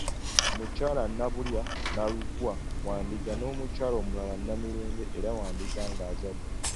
Omukyala Nnabulya Nnalugwa wa Ndiga, n'omukyala omulala Nnamirembe era ow'Endiga ng'azadde.